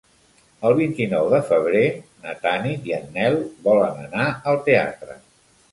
El vint-i-nou de febrer na Tanit i en Nel volen anar al teatre.